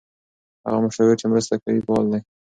هغه مشاور چې مرسته کوي فعال دی.